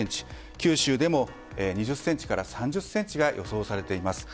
九州でも２０ｃｍから３０ｃｍが予想されています。